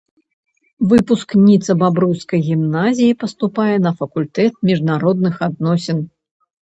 Выпускніца бабруйскай гімназіі паступае на факультэт міжнародных адносін.